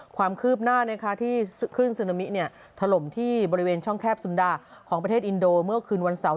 ความคืบหน้าที่คลื่นซึนามิถล่มที่บริเวณช่องแคบสุนดาของประเทศอินโดเมื่อคืนวันเสาร์